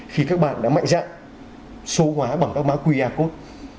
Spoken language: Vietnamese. khi các bạn đã mạnh dạng số hóa bằng các mã qr code